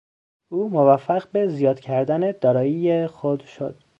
او موفق به زیاد کردن دارایی خود شد.